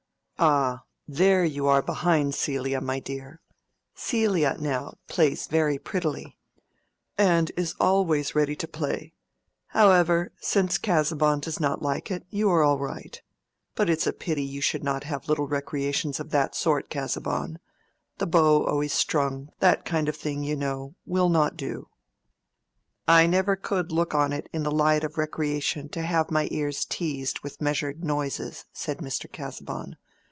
"Ah, there you are behind Celia, my dear. Celia, now, plays very prettily, and is always ready to play. However, since Casaubon does not like it, you are all right. But it's a pity you should not have little recreations of that sort, Casaubon: the bow always strung—that kind of thing, you know—will not do." "I never could look on it in the light of a recreation to have my ears teased with measured noises," said Mr. Casaubon.